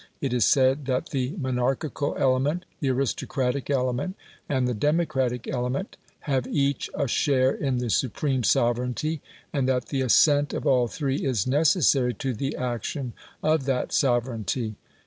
It is said that the monarchical element, the aristocratic element, and the democratic element, have each a share in the supreme sovereignty, and that the assent of all three is necessary to the action of that sovereignty.